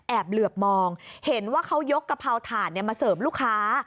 เหลือบมองเห็นว่าเขายกกะเพราถาดมาเสริมลูกค้า